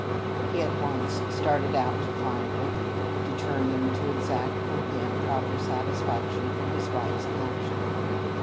He at once started out to find Lincoln, determined to exact from him proper satisfaction for his wife's action.